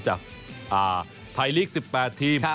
จากไทยลีก๑๘ทีม